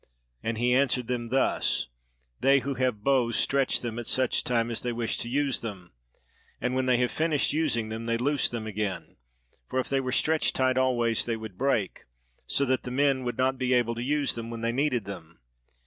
And he answered them thus: "They who have bows stretch them at such time as they wish to use them, and when they have finished using them they loose them again; for if they were stretched tight always they would break, so that the men would not be able to use them when they needed them.